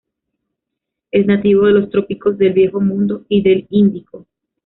Es nativo de los trópicos del Viejo Mundo y del Índico